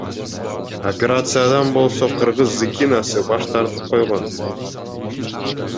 Операциядан болсо кыргыз Зыкинасы баш тартып койгон.